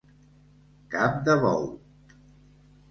Cap de bou.